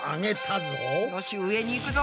よし上に行くぞ！